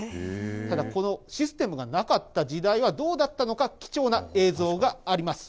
ただこのシステムがなかった時代はどうだったのか、貴重な映像があります。